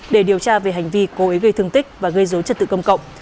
để điều tra về hành vi cố ý gây thương tích và gây dối trật tự công cộng